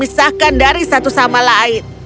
aku memisahkan dari satu sama lain